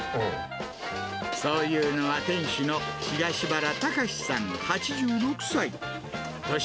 そういうのは店主の東原孝さん８６歳。